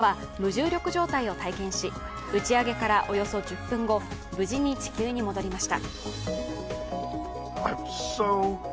シャトナーさんらは無重力状態を体験し打ち上げからおよそ１０分後無事に地球に戻りました。